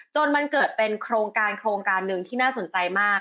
จนมันเกิดเป็นโครงการโครงการหนึ่งที่น่าสนใจมาก